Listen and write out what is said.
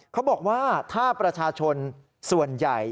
เขาบอกว่าถ้าประชาชนส่วนใหญ่